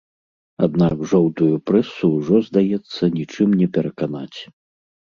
Аднак жоўтую прэсу ўжо, здаецца, нічым не пераканаць.